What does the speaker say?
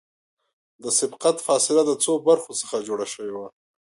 د سبقت فاصله د څو برخو څخه جوړه شوې ده